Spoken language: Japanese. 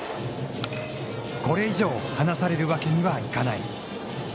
これ以上離されるわけにはいかない。